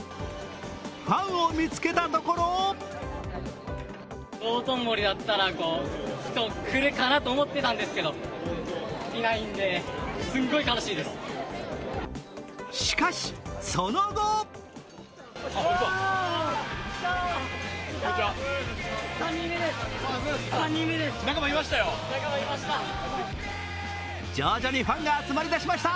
ファンを見つけたところしかし、その後徐々にファンが集まりだしました。